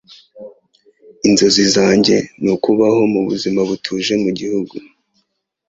Inzozi zanjye ni ukubaho ubuzima butuje mugihugu.